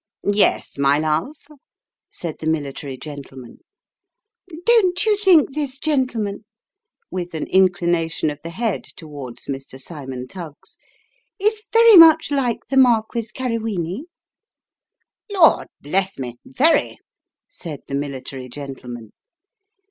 " Yes, my love," said the military gentleman. " Don't you think this gentleman (with an inclination of the head towards Mr. Cymon Tuggs) is very much like the Marquis Carri wini ?"" Lord bless me, very !" said the military gentleman.